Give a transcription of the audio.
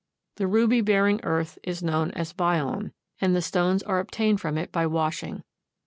The ruby bearing earth is known as "byon," and the stones are obtained from it by washing.